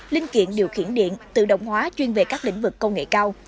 linh kiện điều khiển điện tự động hóa chuyên về các lĩnh vực công nghệ cao